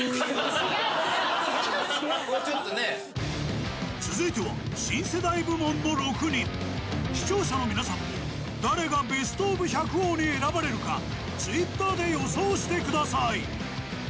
違う違う続いては新世代部門の６人視聴者の皆さんも誰がベストオブ百王に選ばれるかＴｗｉｔｔｅｒで予想してください